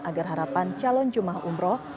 agar harapan calon jemaah umroh